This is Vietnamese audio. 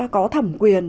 có thẩm quyền